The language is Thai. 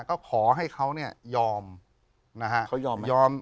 ก็ขอให้เขาเนี่ยยอมนะฮะเขายอมยอม